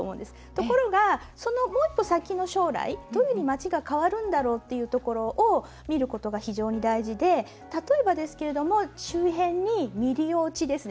ところが、そのもう一歩先の将来どういうふうに街が変わるんだろうというところを見るのが大切で例えば、周辺に未利用地ですね。